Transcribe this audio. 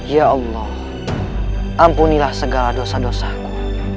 ya allah ampunilah segala dosa dosaku